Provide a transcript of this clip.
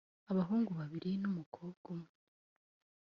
abahungu babiri n’umukobwa umwe